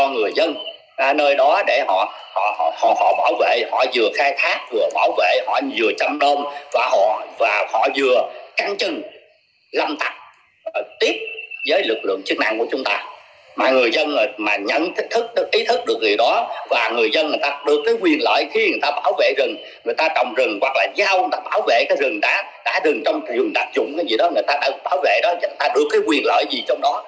người ta bảo vệ rừng người ta trồng rừng hoặc là giao người ta bảo vệ cái rừng đá đá đừng trong rừng đặc dụng người ta bảo vệ đó người ta được cái quyền lợi gì trong đó